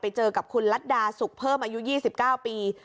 ไปเจอกับคุณลัดดาสุกเพิ่มอายุ๒๙ปี